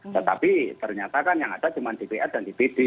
tetapi ternyata kan yang ada cuma dpr dan dpd